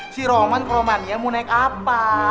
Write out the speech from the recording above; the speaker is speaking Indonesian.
si roman romania mau naik apa